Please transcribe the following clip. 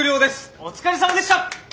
お疲れさまでした！